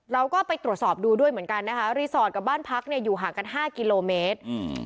เราก็ไปตรวจสอบดูด้วยเหมือนกันนะคะรีสอร์ทกับบ้านพักเนี่ยอยู่ห่างกัน๕กิโลเมตร